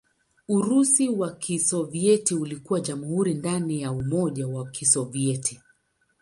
Urusi wa Kisovyeti ulikuwa jamhuri ndani ya Umoja wa Kisovyeti.